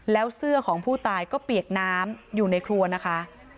แล้วเสื้อของผู้ตายก็เปียกน้ำอยู่ในครัวนะคะ